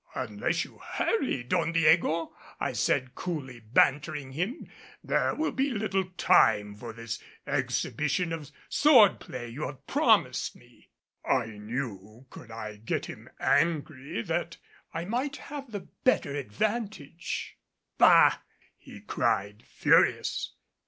"Unless you hurry, Don Diego," I said, coolly bantering him, "there will be little time for this exhibition of sword play you have promised me." I knew could I get him angry that I might have the better advantage. "Bah!" he cried, furious.